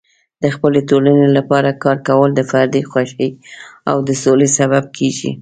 د خپلې ټولنې لپاره کار کول د فردي خوښۍ او د سولې سبب کیږي.